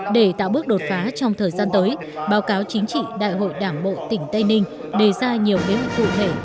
để tạo bước đột phá trong thời gian tới báo cáo chính trị đại hội đảng bộ tỉnh tây ninh đề ra nhiều kế hoạch cụ thể